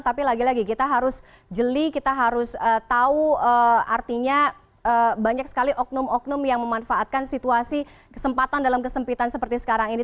tapi lagi lagi kita harus jeli kita harus tahu artinya banyak sekali oknum oknum yang memanfaatkan situasi kesempatan dalam kesempitan seperti sekarang ini